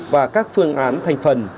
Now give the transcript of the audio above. và các phương án thành phần